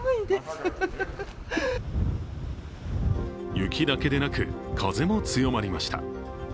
雪だけでなく、風も強まりました。